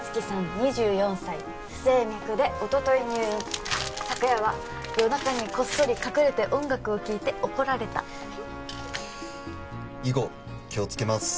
２４歳不整脈でおととい入院昨夜は夜中にこっそり隠れて音楽を聴いて怒られた以後気をつけます